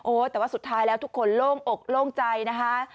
แต่ว่าสุดท้ายแล้วทุกคนโล่งอกโล่งใจนะคะ